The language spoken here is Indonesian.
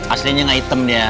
aslinya gak hitam ya